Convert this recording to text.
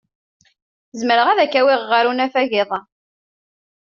Zemreɣ ad k-awiɣ ɣer unafag iḍ-a.